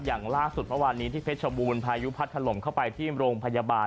อย่างล่าสุดเมื่อวานนี้ที่เพชรบูรณพายุพัดถล่มเข้าไปที่โรงพยาบาล